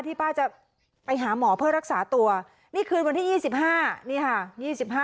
ป้าจะไปหาหมอเพื่อรักษาตัวนี่คืนวันที่๒๕นี่ค่ะ